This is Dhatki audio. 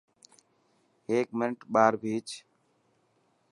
هيڪ منٽ ٻاهر ڀيچ.